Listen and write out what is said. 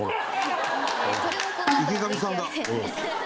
池上さん